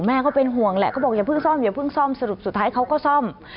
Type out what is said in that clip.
แม่ก็เป็นห่วงแหละของอย่าพึ่งส่วนอย่าพึ่งส่วนสรุปสุดท้ายเขาก็สร้อม